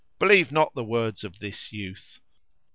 believe not the words of this youth.